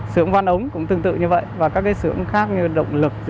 sưởng văn ống cũng tương tự như vậy và các sưởng khác như động lực